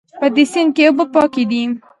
په دې سیند کې اوبه پاکې دي